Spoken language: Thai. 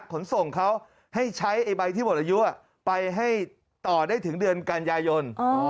ขนส่งเขาให้ใช้ใบที่หมดอายุไปให้ต่อได้ถึงเดือนกันยายน